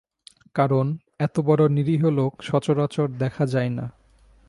কারণ এতবড়ো নিরীহ লোক সচরাচর দেখা যায় না।